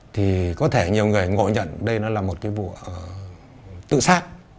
thì có thể nhiều người ngộ nhận đây nó là một cái vụ tự sát